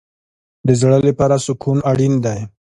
د زړه لپاره سکون اړین دی